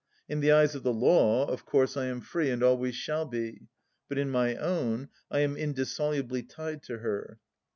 In the eyes of the law, of course I am free, and always shall be, but in my own I am indissolubly tied to her.